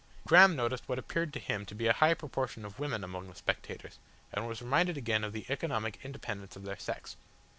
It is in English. Graham noticed what appeared to him to be a high proportion of women among the speculators, and was reminded again of the economic independence of their sex.